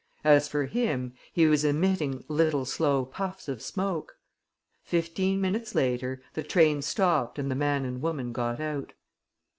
As for him, he was emitting little slow puffs of smoke. Fifteen minutes later, the train stopped and the man and woman got out.